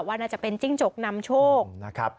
ว่าน่าจะเป็นจริงจกนำโชค